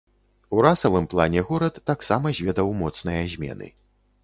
У расавым плане горад таксама зведаў моцныя змены.